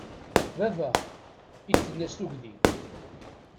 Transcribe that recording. Baba! I d-tenna s tugdi.